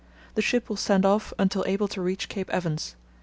The ship will stand off until able to reach Cape Evans.